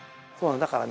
だからね。